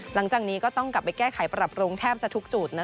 หลังจากนี้ก็ต้องกลับไปแก้ไขปรับปรุงแทบจะทุกจุด